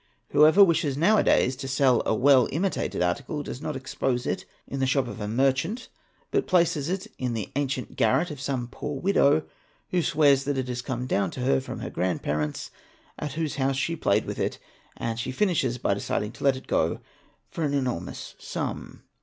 Whoever wishes now a days to sell a well imitated article does not expose it in the shop of a merchant but places it in the ancient garret of some poor widow who swears that it has come _ down to her from her grandparents, at whose house she played with it, and she finishes by deciding to let it go for an enormous sum.